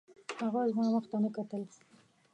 هغه زما مخ ته نه کتل